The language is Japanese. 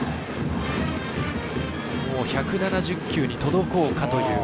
１７０球に届こうかという。